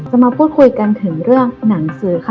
มาพูดคุยกันถึงเรื่องหนังสือค่ะ